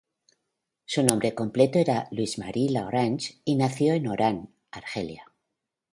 Su nombre completo era Louise Marie Lagrange, y nació en Orán, Argelia.